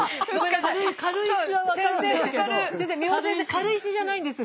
軽石じゃないんです